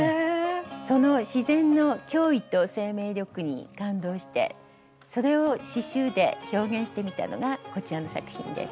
その自然の驚異と生命力に感動してそれを刺しゅうで表現してみたのがこちらの作品です。